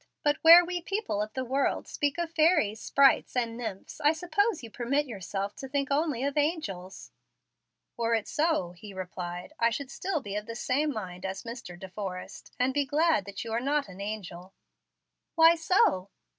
"But where we people of the world speak of fairies, sprites, and nymphs, I suppose you permit yourself to think only of angels." "Were it so," he replied, "I should still be of the same mind as Mr. De Forrest, and be glad that you are not an angel." "Why so?"